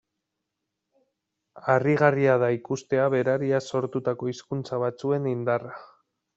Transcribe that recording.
Harrigarria da ikustea berariaz sortutako hizkuntza batzuen indarra.